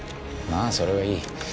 まぁそれはいい。